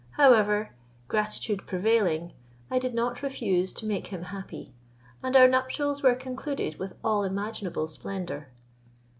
However, gratitude prevailing, I did not refuse to make him happy, and our nuptials were concluded with all imaginable splendour.